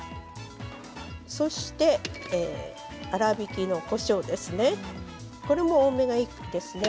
そして粗びきのこしょうですね。